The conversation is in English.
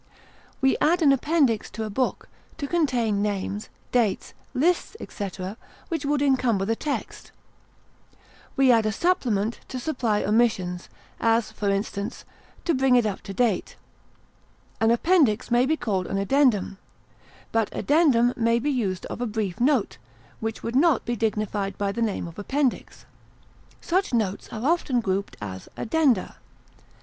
We add an appendix to a book, to contain names, dates, lists, etc., which would encumber the text; we add a supplement to supply omissions, as, for instance, to bring it up to date. An appendix may be called an addendum; but addendum may be used of a brief note, which would not be dignified by the name of appendix; such notes are often grouped as addenda.